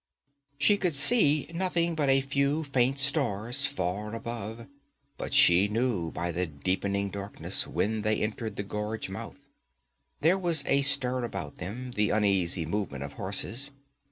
She could see nothing but a few faint stars far above, but she knew by the deepening darkness when they entered the gorge mouth. There was a stir about them, the uneasy movement of horses.